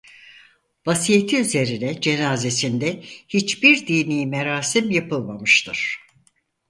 Vasiyeti üzerine cenazesinde hiçbir dini merasim yapılmamıştır.